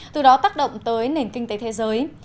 từ đó tác động tới nền kinh tế thế giới